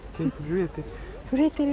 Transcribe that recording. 震えてる？